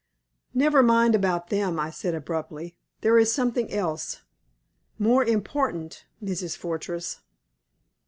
"Never mind about them," I said, abruptly. "There is something else more important Mrs. Fortress."